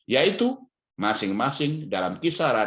yaitu masing masing dalam kisaran enam delapan dan tujuh sembilan